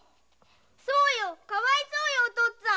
そうよかわいそうよお父っつぁん。